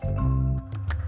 jadi lewat kepalanya itu masar